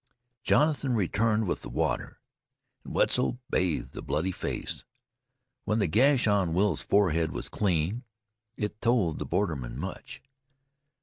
Jonathan returned with the water, and Wetzel bathed the bloody face. When the gash on Will's forehead was clean, it told the bordermen much.